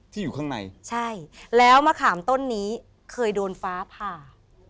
อยู่ข้างในใช่แล้วมะขามต้นนี้เคยโดนฟ้าผ่า